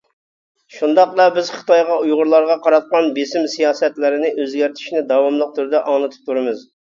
شۇنداقلا، بىز خىتايغا ئۇيغۇرلارغا قاراتقان بېسىم سىياسەتلىرىنى ئۆزگەرتىشنى داۋاملىق تۈردە ئاڭلىتىپ تۇرىمىز.